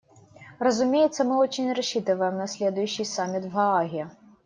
Разумеется, мы очень рассчитываем на следующий саммит − в Гааге.